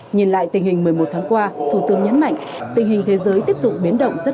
nhìn lại tình hình một mươi một tháng qua thủ tướng nhấn mạnh tình hình thế giới tiếp tục biến động rất